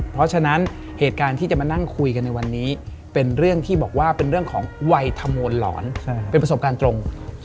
เพราะฉะนั้นเหตุการณ์ที่จะมานั่งคุยกันในวันนี้เป็นเรื่องที่บอกว่าเป็นเรื่องของวัยขมวลหลอนเป็นประสบการณ์ตรง